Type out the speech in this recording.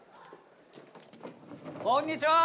こんにちはー！